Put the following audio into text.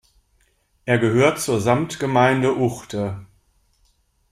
Er gehört zur Samtgemeinde Uchte.